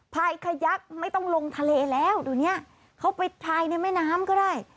พายขยักไม่ต้องลงทะเลแล้วเดี๋ยวเนี้ยเขาไปพายในแม่น้ำก็ได้